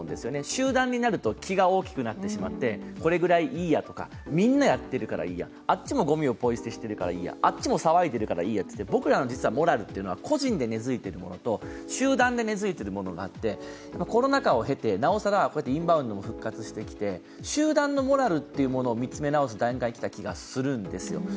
集団になると気が大きくなってしまって、これぐらいいやとか、みんなやっているからいいやあっちもごみをポイ捨てしてるからいいや、あっちも騒いでるからいいやと、僕らのモラルっていうのは個人で根づいているものと集団で根づいているものがあって、コロナ禍を経てインバウンドも復活してきて集団のモラルというものを見つめ直すタイミングに来たと思うんですよ。